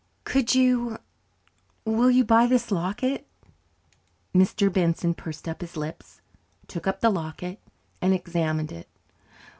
Could you will you buy this locket?" Mr. Benson pursed up his lips, took up the locket, and examined it.